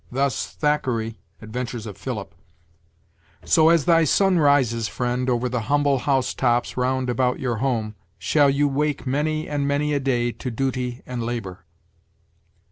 Thus, Thackeray (Adventures of Philip): 'So, as thy sun rises, friend, over the humble house tops round about your home, shall you wake many and many a day to duty and labor.'